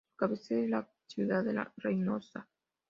Su cabecera es la ciudad de Reynosa.